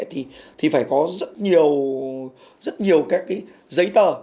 thì phải có rất nhiều giấy tờ